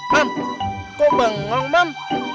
mam kok bangun mam